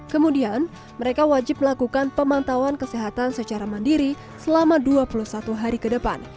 kemudian mereka wajib melakukan pemantauan kesehatan secara mandiri selama dua puluh satu hari ke depan